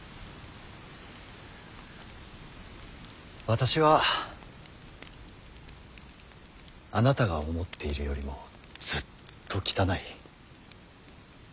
私はあなたが思っているよりもずっと汚い。